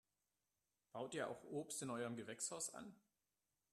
Baut ihr auch Obst in eurem Gewächshaus an?